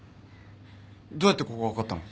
どうやってここ分かったの？